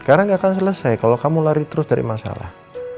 sekarang gak akan selesai kalau kamu lari terus dari masalah